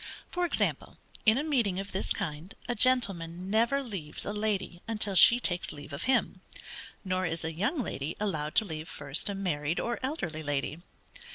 For example, in a meeting of this kind, a gentleman never leaves a lady until she takes leave of him; nor is a young lady allowed to leave first a married or elderly lady.